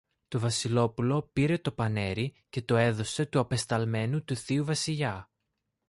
Το Βασιλόπουλο πήρε το πανέρι και το έδωσε του απεσταλμένου του θείου Βασιλιά.